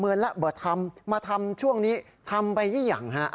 คือมันต้องแอบมาข้างในบางคนก็เผื่อไปเดินลงข้างล่าง